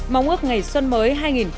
mong ước ngày xuân mới hai nghìn một mươi tám